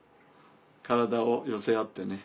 体を寄せ合ってね